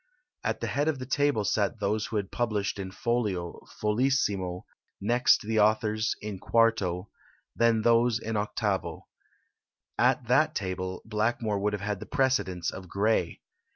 At the head of the table sat those who had published in folio, foliissimo; next the authors in quarto; then those in octavo. At that table Blackmore would have had the precedence of Gray.